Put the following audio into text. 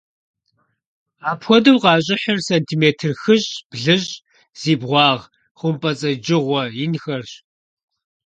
Апхуэдэу къащӀыхьыр сантиметр хыщӀ-блыщӀ зи бгъуагъ хъумпӀэцӀэджыгъуэ инхэрщ.